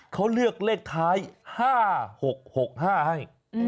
เขาเลือกเลขท้าย๕๖๖๕ให้